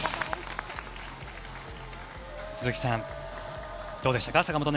鈴木さん、どうでしたか？